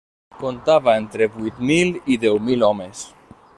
Contava entre vuit mil i deu mil homes.